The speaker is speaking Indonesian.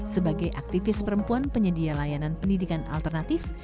sebagai aktivis perempuan penyedia layanan pendidikan alternatif